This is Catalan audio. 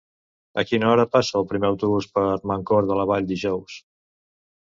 A quina hora passa el primer autobús per Mancor de la Vall dijous?